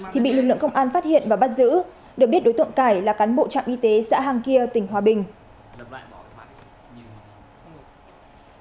thì bị lực lượng công an phát hiện và bắt giữ được biết đối tượng cải là cán bộ trạm y tế xã hàng kia tỉnh hòa bình